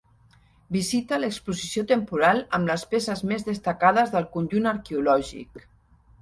Visita l'exposició temporal amb les peces més destacades del conjunt arqueològic.